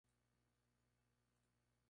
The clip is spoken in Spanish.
Victor, que se ha convertido entonces en el Sr.